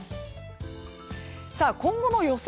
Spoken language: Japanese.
今後の予想